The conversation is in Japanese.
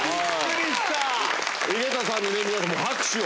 井桁さんに皆さんもう拍手を！